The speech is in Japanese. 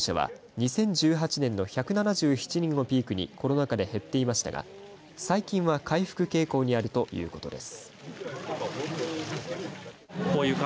佐伯市によりますと県外からの移住者は２０１８年の１７７人をピークにコロナ禍で減っていましたが最近は回復傾向にあるということです。